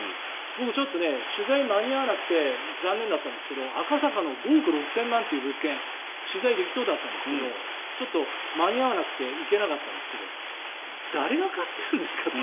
僕、取材が間に合わなくて残念だったんですけど、赤坂の５億６０００万円という物件取材できそうだったんですけどちょっと間に合わなくて行けなかったんですけど誰が買ってるんですかと。